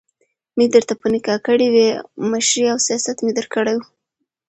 مي درته په نکاح کړي وي، مشري او رياست مي درکړی وو